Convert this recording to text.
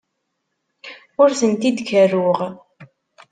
Ur tent-id-kerruɣ.